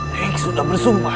eik sudah bersumpah